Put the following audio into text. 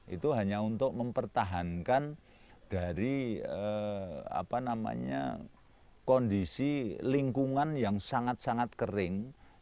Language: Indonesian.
itu hanya untuk mempertahankan dari kondisi lingkungan yang sangat sangat kering